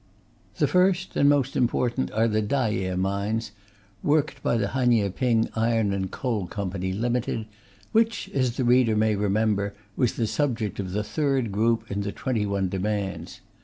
The first and most important are the Tayeh mines, worked by the Hanyehping Iron and Coal Co., Ltd., which, as the reader may remember, was the subject of the third group in the Twenty one Demands.